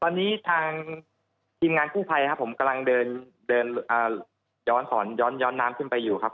ตอนนี้ทางทีมงานกู้ภัยครับผมกำลังเดินย้อนสอนย้อนน้ำขึ้นไปอยู่ครับ